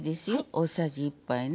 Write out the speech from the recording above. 大さじ１杯ね。